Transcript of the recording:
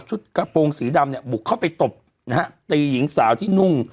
กระโปรงสีดำเนี่ยบุกเข้าไปตบนะฮะตีหญิงสาวที่นุ่ง